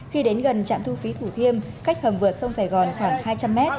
khi đến gần trạm thu phí thủ thiêm cách hầm vượt sông sài gòn khoảng hai trăm linh m